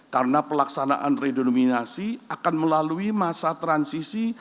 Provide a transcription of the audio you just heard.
karena pelaksanaan redenominasi akan melalui masa transisi